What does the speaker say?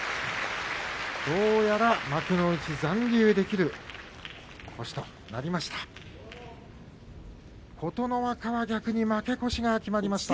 どうやら幕内に残留できる星となりました。